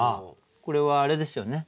これはあれですよね